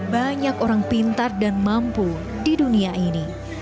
banyak orang pintar dan mampu di dunia ini